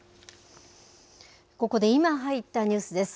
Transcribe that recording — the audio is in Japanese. ここで今入ったニュースです。